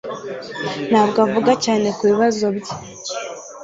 ntabwo avuga cyane kubibazo bye